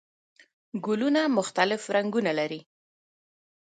ګلونه مختلف رنګونه لري